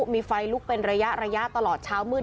มีไฟลุกเป็นระยะตลอดเช้ามืด